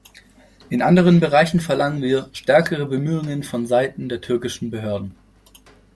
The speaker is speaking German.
In anderen Bereichen verlangen wir stärkere Bemühungen vonseiten der türkischen Behörden.